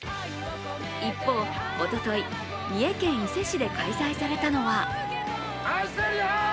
一方、おととい、三重県伊勢市で開催されたのは。